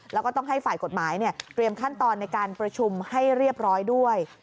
แล้วก็ต้องให้ฝ่ายกฎหมายเตรียมขั้นตอนในการประชุมให้เรียบร้อยด้วย